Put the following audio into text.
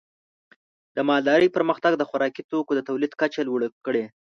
د مالدارۍ پرمختګ د خوراکي توکو د تولید کچه لوړه کړې.